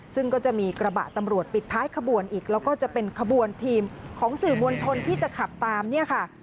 ซึ่งก็จะมีกระบะตำรวจปิดท้ายขบวนอีกแล้วก็จะเป็นขบวนทีมของสื่อมวลชนที่จะขับตามเนี่ยค่ะ